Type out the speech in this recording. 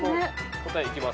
答えいきます。